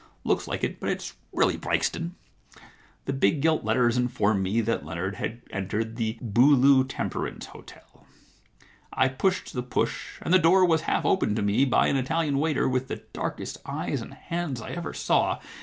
" Looks like it, but it's really Brixton." * The . big gilt letters informed me that Leonard had entered the Beaulieu Temperance Hotel. I pushed the push, and the door was half opened to me by an Italian waiter with the darkest eyes and hands I ever saw.